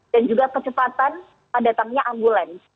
dan juga kecepatan datangnya ambulans